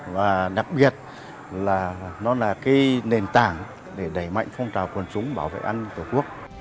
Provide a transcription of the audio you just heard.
và đặc biệt là nó là cái nền tảng để đẩy mạnh phong trào quần chúng bảo vệ an tổ quốc